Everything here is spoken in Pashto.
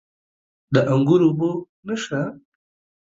د انګورو اوبه نشته؟